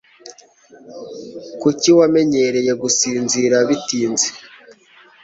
Kuki wanyemereye gusinzira bitinze?